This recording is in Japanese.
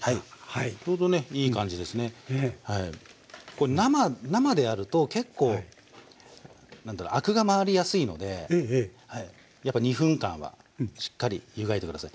これ生でやると結構何ていうんだろうアクが回りやすいのでやっぱ２分間はしっかり湯がいて下さい。